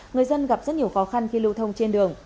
người dân gặp rất nhiều khó khăn khi lưu thông trên đường